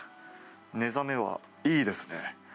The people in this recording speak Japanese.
目覚めはいいですね。